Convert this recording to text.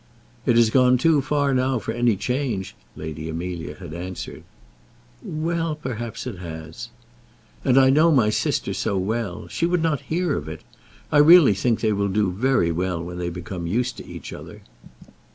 "It has gone too far now for any change," Lady Amelia had answered. "Well; perhaps it has." "And I know my sister so well; she would not hear of it. I really think they will do very well when they become used to each other."